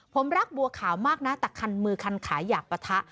ผมรักบัวขาวมากนะแต่คันมือคันขาอยากปะทะ